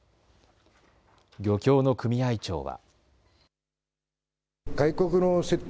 漁協の組合長は。